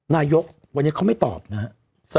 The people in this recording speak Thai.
นายกวันนี้เขาไม่ตอบนะครับ